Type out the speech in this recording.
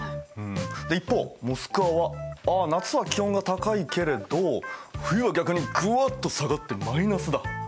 で一方モスクワはああ夏は気温が高いけれど冬は逆にぐわっと下がってマイナスだ。